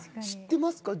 知ってます？